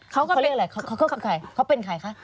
เขาก็เรียกอะไรเขาเป็นใครคะ